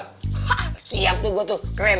siap tuh gue tuh keren